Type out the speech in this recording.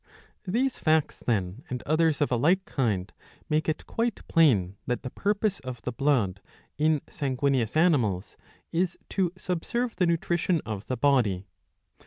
These facts, then, and others of a like kind, make it quite plain that the purpose of the blood in sanguineous animals is to subserve the nutrition of the body.